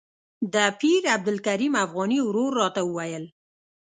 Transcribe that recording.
د پیر عبدالکریم افغاني ورور راته وویل.